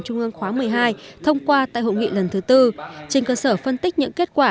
trung ương khóa một mươi hai thông qua tại hội nghị lần thứ tư trên cơ sở phân tích những kết quả